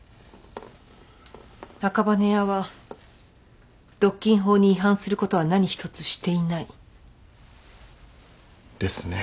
赤羽屋は独禁法に違反することは何一つしていない。ですね。